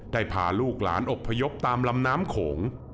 พาลูกหลานอบพยพตามลำน้ำโขง